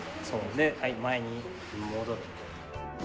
で前に戻る。